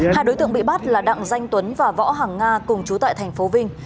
hai đối tượng bị bắt là đặng danh tuấn và võ hằng nga cùng chú tại tp vinh